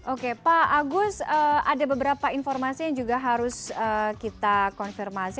oke pak agus ada beberapa informasi yang juga harus kita konfirmasi